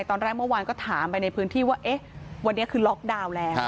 ตอนแรกเมื่อวานก็ถามไปในพื้นที่ว่าเอ๊ะวันนี้คือล็อกดาวน์แล้ว